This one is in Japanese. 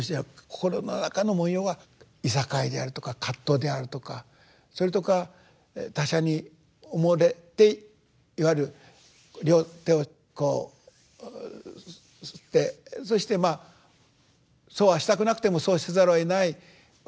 心の中の模様はいさかいであるとか葛藤であるとかそれとか他者におもねていわゆる両手をこう擦ってそしてまあそうはしたくなくてもそうせざるをえない私たちの矛盾。